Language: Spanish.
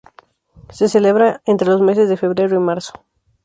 Se celebra entre los meses de febrero y marzo.